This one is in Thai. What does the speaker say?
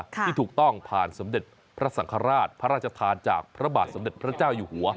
ที่ถูกต้องผ่านสมเด็จพระสังฆราชพระราชทานจากพระบาทสมเด็จพระเจ้าอยู่หัว